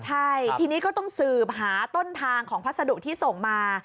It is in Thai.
ใช่ทีนี้ก็ต้องสืบหาต้นทางของพัสดุที่ส่งมา